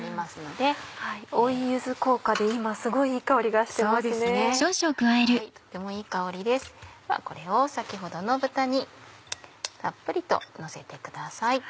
ではこれを先ほどの豚にたっぷりとのせてください。